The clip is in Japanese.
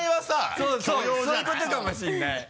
そうそういうことかもしれない。